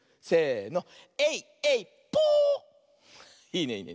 せの。